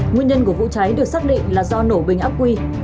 nguyên nhân của vụ cháy được xác định là do nổ bình ác quy